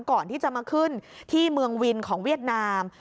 ก่อนที่จะมาขึ้นที่เมืองวินของเวียดนาม